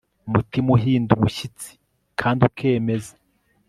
Umutima uhinda umushyitsi kandi ukemeza